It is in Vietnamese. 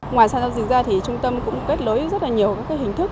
ngoài sàn giao dịch ra thì trung tâm cũng kết lối rất là nhiều các hình thức